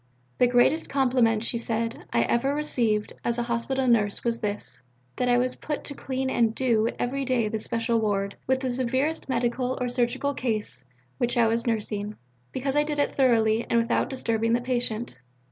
"The greatest compliment," she said, "I ever received as a Hospital nurse was this: that I was put to clean and 'do' every day the Special Ward, with the severest medical or surgical case which I was nursing, because I did it thoroughly and without disturbing the patient.